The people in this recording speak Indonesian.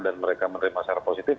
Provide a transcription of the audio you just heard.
dan mereka menerima secara positif